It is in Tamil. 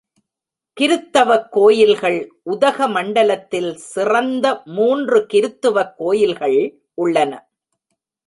கிருத்தவக் கோயில்கள் உதகமண்டலத்தில் சிறந்த மூன்று கிருத்தவக் கோயில்கள் உள்ளன.